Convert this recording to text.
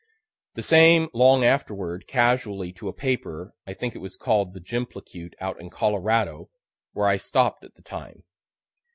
The same long afterward, casually, to a paper I think it was call'd the "Jimplecute" out in Colorado where I stopp'd at the time.